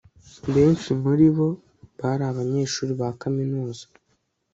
benshi muribo bari abanyeshuri ba kaminuza